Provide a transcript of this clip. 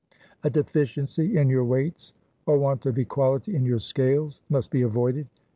2 A deficiency in your weights or want of equality in your scales must be avoided.